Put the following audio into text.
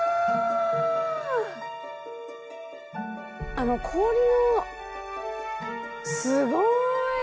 あの氷のすごい。